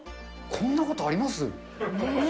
こんなことあります？